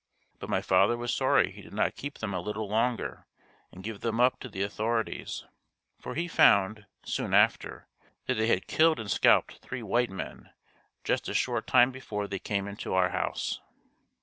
But my father was sorry he did not keep them a little longer and give them up to the authorities, for he found, soon after, that they had killed and scalped three white men, just a short time before they came into our house.